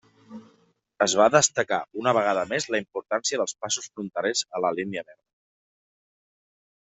Es va destacar una vegada més la importància dels passos fronterers a la línia verda.